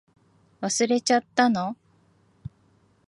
忘れちゃったの？